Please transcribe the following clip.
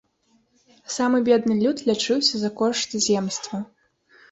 Самы бедны люд лячыўся за кошт земства.